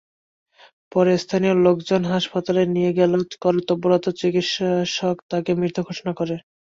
পরে স্থানীয় লোকজন হাসপাতালে নিয়ে গেলে কর্তব্যরত চিকিৎসক তাঁকে মৃত ঘোষণা করেন।